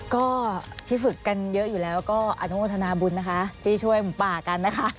ก็ที่ฝึกกันเยอะอยู่แล้วก็อนุโมทนาบุญนะคะที่ช่วยหมูป่ากันนะคะ